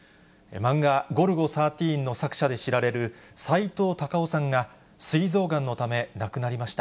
漫画、ゴルゴ１３の作者で知られる、さいとう・たかをさんがすい臓がんのため亡くなりました。